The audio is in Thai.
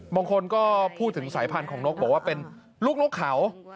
บางคนก็พูดถึงสายพันธุ์ของนกบอกว่าเป็นลูกนกเขา